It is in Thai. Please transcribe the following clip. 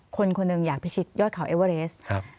คนหนึ่งอยากพิชิตยอดเขาเอเวอเรส